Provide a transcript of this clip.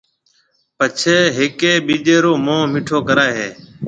پڇيَ ھيَََڪيَ ٻيجيَ رو مونھ مِيٺو ڪرائيَ ھيََََ